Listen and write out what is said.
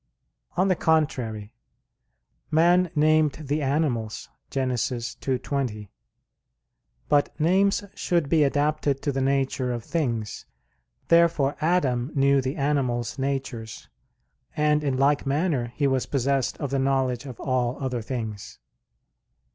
On the contrary, Man named the animals (Gen. 2:20). But names should be adapted to the nature of things. Therefore Adam knew the animals' natures; and in like manner he was possessed of the knowledge of all other things.